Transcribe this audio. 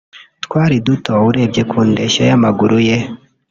twari duto urebye ku ndeshyo y’amaguru ye